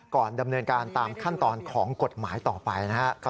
ก่อนดำเนินการตามขั้นตอนของกฎหมายต่อไปนะครับ